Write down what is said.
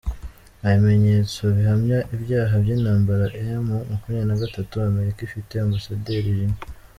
Nta bimenyetso bihamya ibyaha by’intambara M makumyabiri Nagatatu Amerika ifite Ambasaderi Rina